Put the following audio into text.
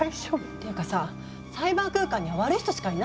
ていうかさサイバー空間には悪い人しかいないの？